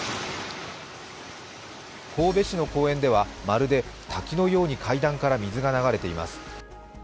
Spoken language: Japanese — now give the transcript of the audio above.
神戸市の公園ではまるで滝のように階段から水が流れています。